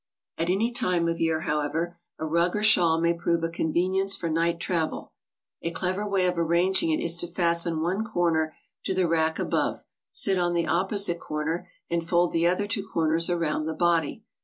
At any time of year, however, a rug or shawl may prove a convenience for night travel. A clever way of arranging it is to fasten one corner to the rack above, sit on the oppo site corner, and fold the other two corners around the body.